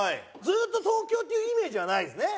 ずっと東京っていうイメージはないですね。